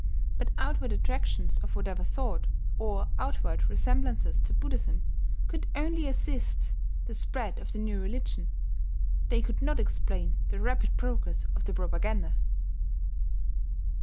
But outward attractions of whatever sort, or outward resemblances to Buddhism, could only assist the spread of the new religion; they could not explain the rapid progress of the propaganda.